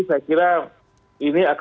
saya kira ini akan